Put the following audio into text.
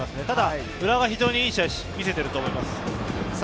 ただ浦和は非常にいい試合を見せていると思います。